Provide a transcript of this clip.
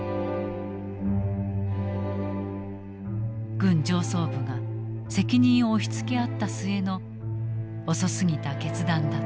軍上層部が責任を押しつけ合った末の遅すぎた決断だった。